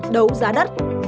đấu giá đất